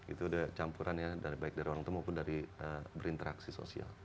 itu udah campurannya baik dari orang temu pun dari berinteraksi sosial